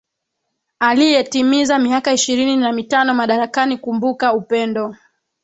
aliye timiza miaka ishirini na mitano madarakani kumbuka upendo